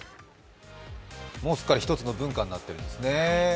もうすっかり一つの文化になってるんですね。